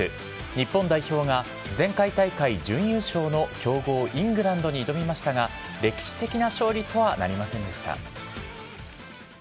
日本代表が前回大会準優勝の強豪イングランドに挑みましたが、歴史的な勝利とはなりませんでした。